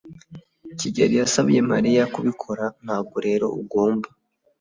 Kigeri yasabye Mariya kubikora, ntabwo rero ugomba.